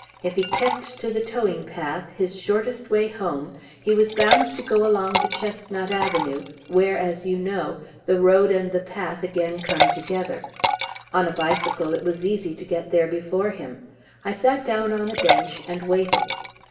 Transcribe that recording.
If he kept to the towing path, his shortest way home, he was bound to go along the Chestnut Avenue, where, as you know, the road and the path again come together. On a bicycle it was easy to get there before him. I sat down on a bench and waited.